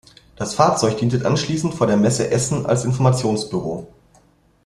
Das Fahrzeug diente anschließend vor der Messe Essen als Informationsbüro.